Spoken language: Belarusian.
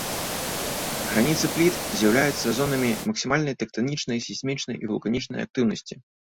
Граніцы пліт з'яўляюцца зонамі максімальнай тэктанічнай, сейсмічнай і вулканічнай актыўнасці.